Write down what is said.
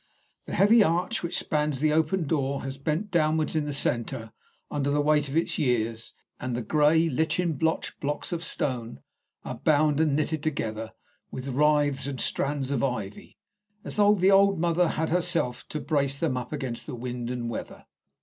The heavy arch which spans the open door has bent downwards in the centre under the weight of its years, and the grey, lichen blotched blocks of stone are, bound and knitted together with withes and strands of ivy, as though the old mother had set herself to brace them up against wind and weather.